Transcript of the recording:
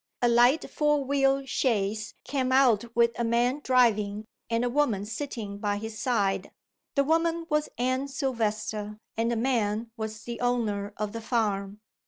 A light four wheel chaise came out with a man driving, and a woman sitting by his side. The woman was Anne Silvester, and the man was the owner of the farm.